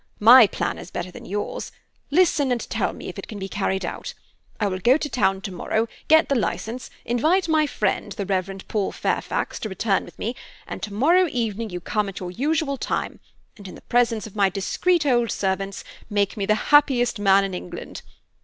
My plan is better than yours. Listen, and tell me if it can be carried out. I will go to town tomorrow, get the license, invite my friend, the Reverend Paul Fairfax, to return with me, and tomorrow evening you come at your usual time, and, in the presence of my discreet old servants, make me the happiest man in England.